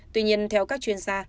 tuy nhiên theo các chuyên gia